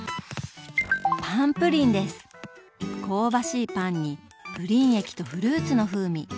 香ばしいパンにプリン液とフルーツの風味。